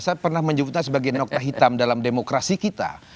saya pernah menyebutnya sebagai nokta hitam dalam demokrasi kita